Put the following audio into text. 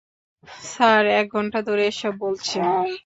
Sir, এক ঘণ্টা ধরে এসব বলছে।